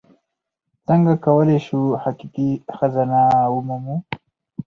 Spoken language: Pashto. څنګه کولی شو حقیقي خزانه ومومو؟